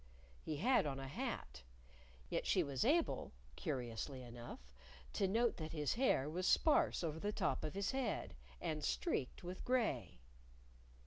He had on a hat. Yet she was able (curiously enough!) to note that his hair was sparse over the top of his head, and streaked with gray.